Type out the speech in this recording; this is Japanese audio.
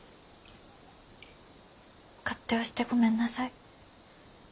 勝手をしてごめんなさい。